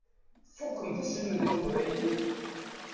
Tfukkemt aselmed n teqbaylit?